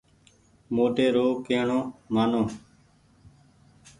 موٽي رو ڪي ڻو مآنو۔